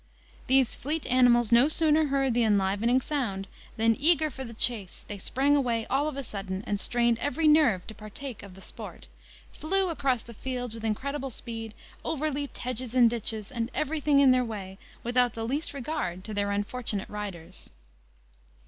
These fleet animals no sooner heard the enlivening sound, than, eager for the chase, they sprang away all of a sudden, and strained every nerve to partake of the sport, flew across the fields with incredible speed, overleaped hedges and ditches, and everything in their way, without the least regard to their unfortunate riders.